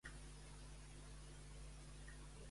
L'home que menciona el text és on són els sardinalers?